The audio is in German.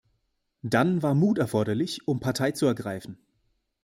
Dann war Mut erforderlich, um Partei zu ergreifen.